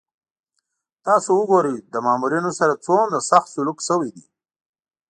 تاسو وګورئ له مامورینو سره څومره سخت سلوک شوی دی.